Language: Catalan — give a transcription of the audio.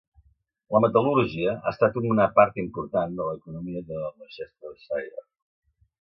La metal·lúrgia ha estat una part important de l'economia de Leicestershire.